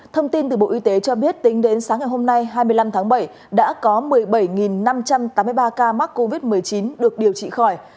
thông tin từ bộ y tế cho biết tính đến sáng ngày hôm nay hai mươi năm tháng bảy đã có một mươi bảy năm trăm tám mươi ba ca mắc covid một mươi chín được điều trị khỏi